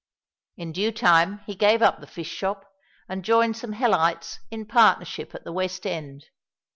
In due time he gave up the fish shop, and joined some hellites in partnership at the West End.